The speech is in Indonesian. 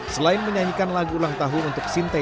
selain menyanyikan lagu ulang tahun